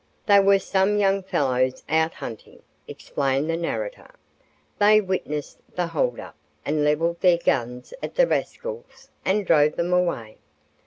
"They were some young fellows out hunting," explained the narrator. "They witnessed the hold up and leveled their guns at the rascals and drove them away."